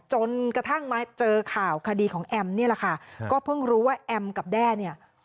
จนกระทั่งมาเจอข่าวคดีของแอมนี่แหละค่ะก็เพิ่งรู้ว่าแอมกับแด้เนี่ย